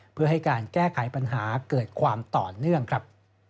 เพื่อให้การแก้ไขปัญหาเกิดความต่อเนื่องครับ